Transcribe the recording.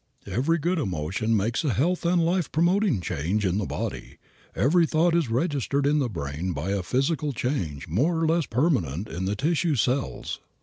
Every good emotion makes a health and life promoting change in the body. Every thought is registered in the brain by a physical change more or less permanent in the tissue cells.